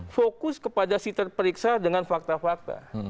fokus kepada si terperiksa dengan fakta fakta